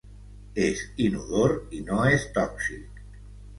És inodor i no és tòxic.